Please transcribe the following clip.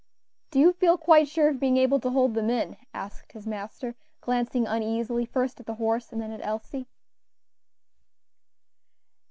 "Do you feel quite sure of being able to hold them in?" asked his master, glancing uneasily first at the horses and then at Elsie.